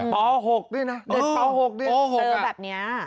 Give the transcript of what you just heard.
ป๖ด้วยนะเด็กป๖ด้วย